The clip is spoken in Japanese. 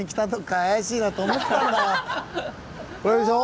これでしょ？